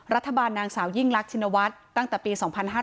รัฐบาลนางสาวยิ่งลักษณวัดตั้งแต่ปี๒๕๕๔